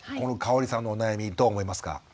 このかおりさんのお悩みどう思いますか。